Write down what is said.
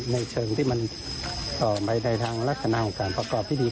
ในเชิงที่มันต่อไปในทางลักษณะของการประกอบพิธี